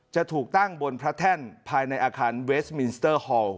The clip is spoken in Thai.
จะถูกตั้งบนพระแท่นภายในอาคารเวสมินสเตอร์ฮอล